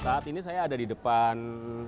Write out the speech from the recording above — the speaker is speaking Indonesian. saat ini saya ada di depan